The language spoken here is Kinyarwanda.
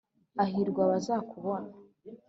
ahirwa abazakubona,